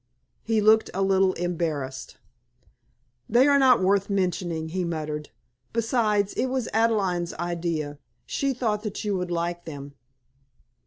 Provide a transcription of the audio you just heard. He looked a little embarrassed. "They are not worth mentioning," he muttered. "Besides, it was Adelaide's idea. She thought that you would like them."